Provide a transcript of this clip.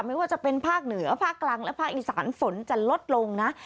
ไม่ว่าจะเป็นภาคเหนือภาคกลางและภาคอีสานฝนจะลดลงนะ